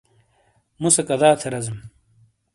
مُو سے کَدا تھے رَزیم؟